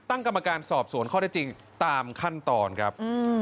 ตั้งกรรมการสอบสวนข้อได้จริงตามขั้นตอนครับ